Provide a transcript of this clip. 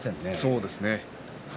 そうですね。